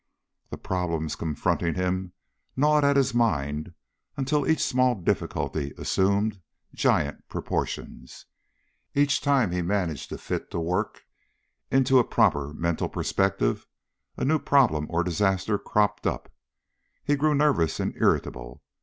The problems confronting him gnawed at his mind until each small difficulty assumed giant proportions. Each time he managed to fit the work into a proper mental perspective a new problem or disaster cropped up. He grew nervous and irritable.